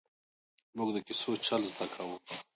ـ مونږ د کیسو چل زده کاوه!